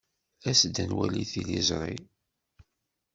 As-d ad nwali tiliẓri.